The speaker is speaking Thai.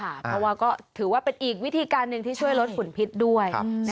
เพราะว่าก็ถือว่าเป็นอีกวิธีการหนึ่งที่ช่วยลดฝุ่นพิษด้วย